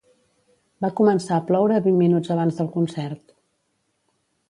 Va començar a ploure vint minuts abans del concert.